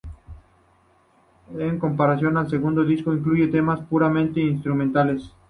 En comparación, el segundo disco incluye temas puramente instrumentales.